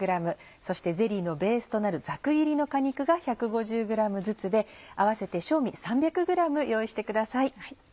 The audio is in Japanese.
そしてゼリーのベースとなるざく切りの果肉が１５０ｇずつで合わせて正味３００ｇ用意してください。